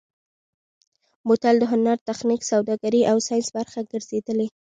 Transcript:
بوتل د هنر، تخنیک، سوداګرۍ او ساینس برخه ګرځېدلی.